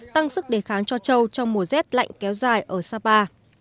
tăng sức đề kháng cho châu trong mùa rét lạnh kéo dài ở sapa